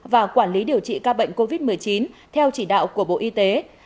và quản lý điều trị ca bệnh covid một mươi chín theo chỉ đạo của bộ y tế